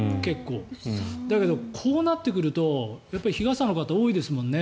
だけど、こうなってくると日傘の方が多いですもんね。